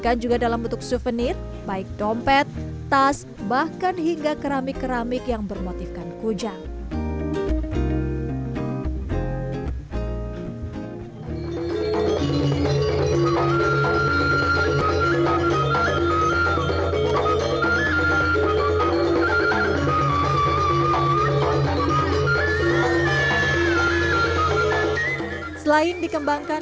dan diberi penyampaian yang terangkan